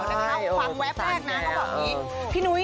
ฟังเว้บแรกนะควบอกนี้